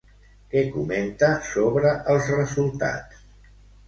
Què comenta sobre els resultats?